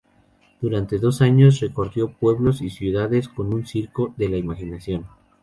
Durante dos años recorrió pueblos y ciudades con un "circo de la Imaginación".